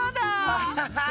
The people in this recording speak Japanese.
アハハッ！